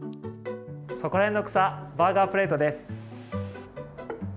「そこらへんの草バーガープレート」です。